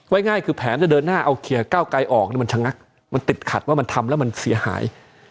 ง่ายคือแผนจะเดินหน้าเอาเคลียร์เก้าไกลออกมันชะงักมันติดขัดว่ามันทำแล้วมันเสียหาย